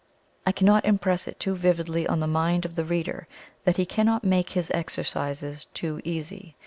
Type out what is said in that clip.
I cannot impress it too vividly on the mind of the reader, that he cannot make his exercises too easy.